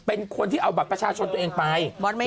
เป็นคนที่เอาบัตรประชาชนตัวเองไป